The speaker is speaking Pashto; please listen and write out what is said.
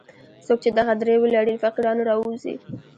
څوک چې دغه درې ولري له فقیرانو راووځي.